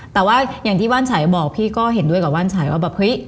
แต่ว่าอย่างที่บ้านฉายบอกพี่ก็เห็นด้วยกับว่านฉายว่าแบบเฮ้ย